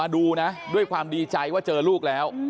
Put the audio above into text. ดูนะด้วยความดีใจว่าเจอลูกแล้ว